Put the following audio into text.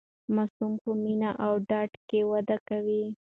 ماسوم په مینه او ډاډ کې وده کوي.